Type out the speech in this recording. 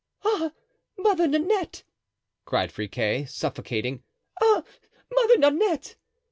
"Ah! Mother Nanette!" cried Friquet, suffocating; "ah! Mother Nanette!"